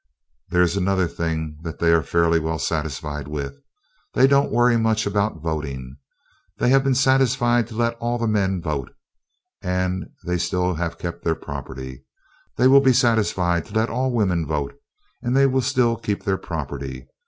There is another thing that they are fairly well satisfied with: They don't worry much about voting. They have been satisfied to let all the men vote, and they have still kept their property. They will be satisfied to let all the women vote, and they will still keep their property.